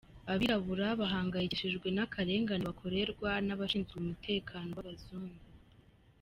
Abirabura bahangayikishijwe n'akarengane bakorerwa n'abashinzwe umutekano b'abazungu.